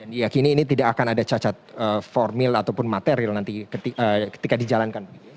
diyakini ini tidak akan ada cacat formil ataupun material nanti ketika dijalankan